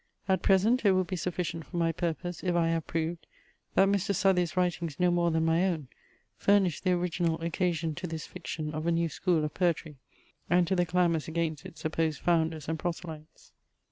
At present it will be sufficient for my purpose, if I have proved, that Mr. Southey's writings no more than my own furnished the original occasion to this fiction of a new school of poetry, and to the clamours against its supposed founders and proselytes.